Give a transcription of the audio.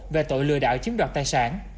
về tội lừa đảo chiếm đoạt tài sản